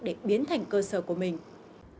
để biến thành cơ sở của mình